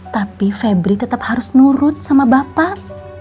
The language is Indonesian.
tapi febri tetap harus nurut sama bapak